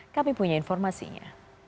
kami punya informasinya